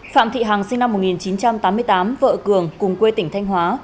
phạm thị hằng sinh năm một nghìn chín trăm tám mươi tám vợ cường cùng quê tỉnh thanh hóa